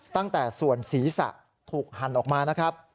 ตั้งแต่ส่วนศีรษะถูกหั่นออกมานะครับ